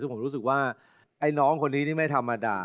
ซึ่งผมรู้สึกว่าไอ้น้องคนนี้นี่ไม่ธรรมดา